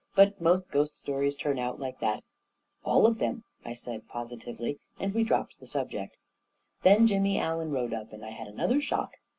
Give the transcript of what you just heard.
" But most ghost stories turn out like that I "" All of them," I said positively, and we dropped the subject. Then Jimmy Allen rode up, and I had another shock.